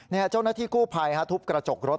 นี่เจ้าหน้าที่กู้ภัยทุบกระจกรถ